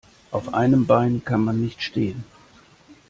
Auf einem Bein kann man nicht stehen.